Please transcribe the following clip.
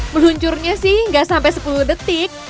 meluncurnya sih nggak sampai sepuluh detik